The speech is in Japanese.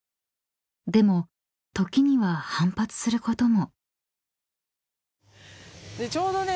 ［でも時には反発することも］